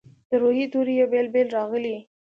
د روي توري یې بیل بیل راغلي.